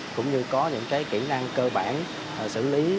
cũng như có những kỹ năng cơ bản xử lý